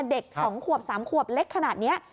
เด็ก๒ขวบ๓ขวบเล็กขนาดนี้